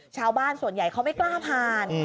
ชาวบ้านส่วนใหญ่เขาไม่กล้าผ่าน